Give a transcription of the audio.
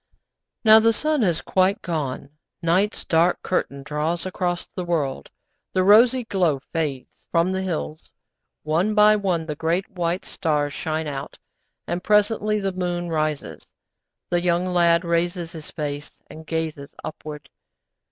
Now the sun has quite gone; night's dark curtain draws across the world, the rosy glow fades from the hills. One by one the great white stars shine out, and presently the moon rises. The young lad raises his face, and gazes upward.